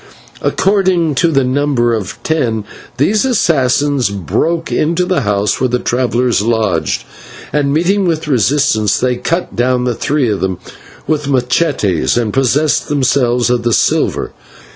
Accordingly, to the number of ten, these assassins broke into the house where the travellers lodged, and, meeting with resistance, they cut down the three of them with /machetes/, and possessed themselves of the silver.